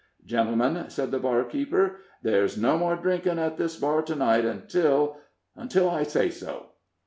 "Gentlemen," said the barkeeper, "there's no more drinking at this bar to night until until I say so."